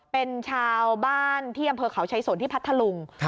เป็นชาวบ้านที่อำเภอเขาชัยสนที่พัทธลุง